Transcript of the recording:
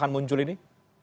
lahan muncul ini